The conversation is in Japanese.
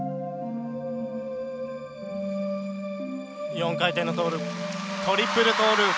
４回転のトーループトリプルトーループ。